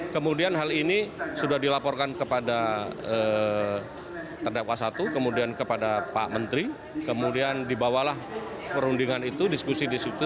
kemudian hal ini sudah dilaporkan kepada terdakwa satu kemudian kepada pak menteri kemudian dibawalah perundingan itu diskusi disitu